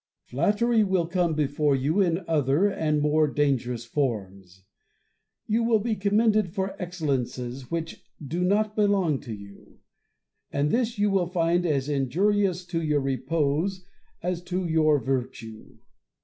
Flattery will come before you in other and more dangerous forms : you will be commended for excellences BOSSUET AND THE DUCHESS. 71 ■which do not belong to you ; and this you will find as injur ious to your repose as to your virtue.